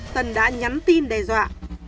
tân đã nhắn tin đe dọa